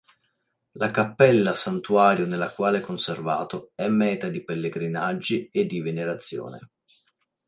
La cappella santuario nella quale è conservato è meta di pellegrinaggi e di venerazione.